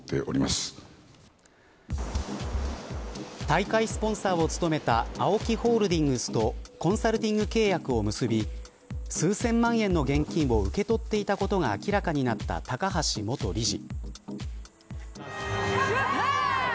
大会スポンサーを務めたＡＯＫＩホールディングスとコンサルティング契約を結び数千万円の現金を受け取っていたことが明らかになった高橋元理事。